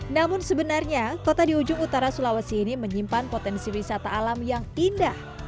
namun sebenarnya kota di ujung utara sulawesi ini menyimpan potensi wisata alam yang indah